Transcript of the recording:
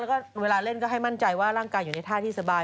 แล้วก็เวลาเล่นก็ให้มั่นใจว่าร่างกายอยู่ในท่าที่สบาย